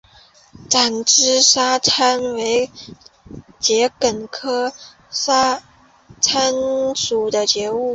展枝沙参为桔梗科沙参属的植物。